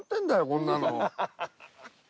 こんなの。